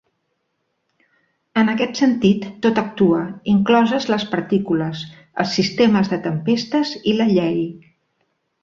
En aquest sentit, tot actua, incloses les partícules, els sistemes de tempestes i la llei.